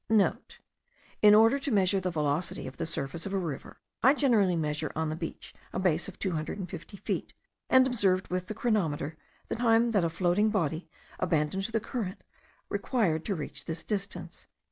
(* In order to measure the velocity of the surface of a river, I generally measured on the beach a base of 250 feet, and observed with the chronometer the time that a floating body, abandoned to the current, required to reach this distance.)